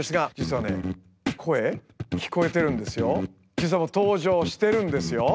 実はもう登場してるんですよ。